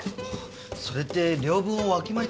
それって領分をわきまえて。